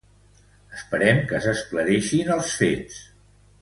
Esperem que s’esclareixin els fets.